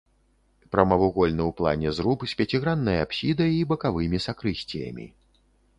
Прамавугольны ў плане зруб з пяціграннай апсідай і бакавымі сакрысціямі.